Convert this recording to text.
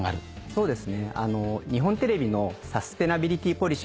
そうですね